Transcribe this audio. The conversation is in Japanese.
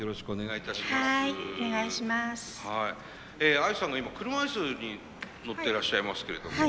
アイさんは今車椅子に乗ってらっしゃいますけれども。